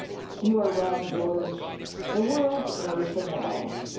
"You are wrong, George; the world knows them well.